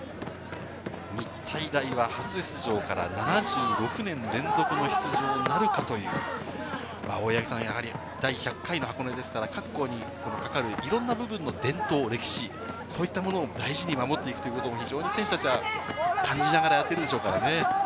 日体大は初出場から７６年連続の出場なるかという第１００回の箱根ですから、各校にかかるいろんな部分の伝統・歴史、そういったものも大事に守っていくというのも非常に選手たちは感じながらやっているでしょうからね。